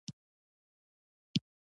مځکه د چا د شخصي ملکیت نه ده.